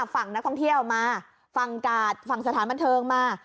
ฝั่งนักท่องเที่ยวมาฝั่งกาดฝั่งสถานบันเทิงมา